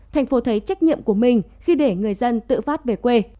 thành phố thấy trách nhiệm của mình khi để người dân tự phát về quê